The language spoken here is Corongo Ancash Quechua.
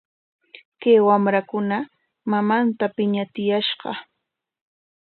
Kay wamrakunam mamanta piñachiyashqa.